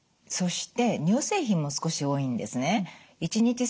そして乳製品も少し多いんですね。